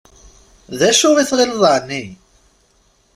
D acu i tɣileḍ εni?